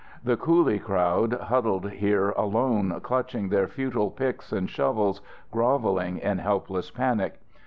The coolie crowd huddled here alone, clutching their futile picks and shovels, grovelling in helpless panic.